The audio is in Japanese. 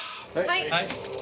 はい。